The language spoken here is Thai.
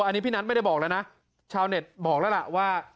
อันนี้พี่นัทไม่ได้บอกแล้วนะชาวเน็ตบอกแล้วล่ะว่า